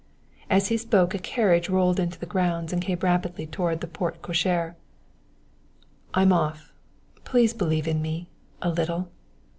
As he spoke a carriage rolled into the grounds and came rapidly toward the porte cochère. "I'm off please believe in me a little."